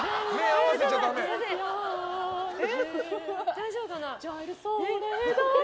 大丈夫かな。